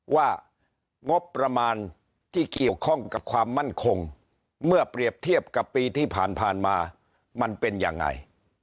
ว่างบประมาณที่เกี่ยวข้องกับความมั่นคงเมื่อเปรียบเทียบกับปีที่ผ่านมามันเป็นยังไง